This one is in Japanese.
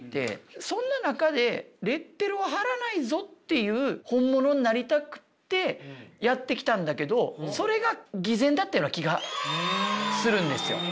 そんな中でレッテルを貼らないぞっていう本物になりたくてやってきたんだけどそれが偽善だったような気がするんですよ。